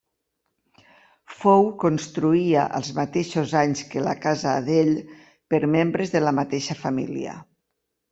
Fou construïa als mateixos anys que la casa Adell per membres de la mateixa família.